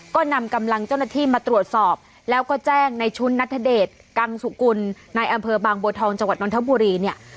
ก็นำกำลังเจ้าหน้าที่มาตรวจสอบแล้วก็แจ้งในชุดนัทเดชกังสุกุลในอำเภอบางบัวทองจังหวัดนทบุรีเนี่ย